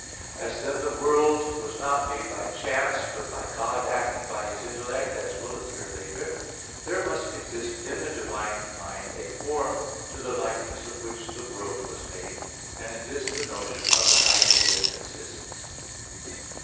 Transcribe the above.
As then the world was not made by chance, but by God acting by His intellect, as will appear later (Q. 46, A. 1), there must exist in the divine mind a form to the likeness of which the world was made. And in this the notion of an idea consists.